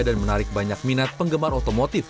dan menarik banyak minat penggemar otomotif